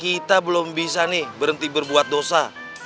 kita belum bisa nih berhenti berbuat dosa